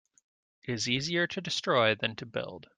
It is easier to destroy than to build.